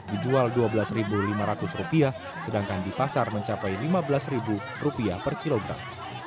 dijual rp dua belas lima ratus sedangkan di pasar mencapai rp lima belas per kilogram